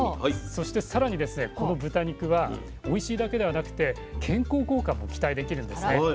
そしてさらにこの豚肉はおいしいだけではなくて健康効果も期待できるんですね。